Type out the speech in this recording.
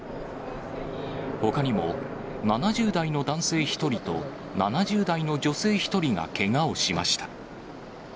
ほかにも、７０代の男性１人と７０代の女性１人がけがをしました。